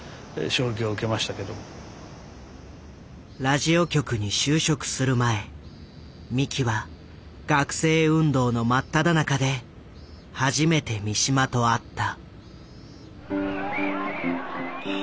ラジオ局に就職する前三木は学生運動の真っただ中で初めて三島と会った。